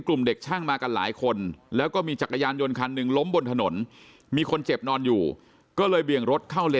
พรชินร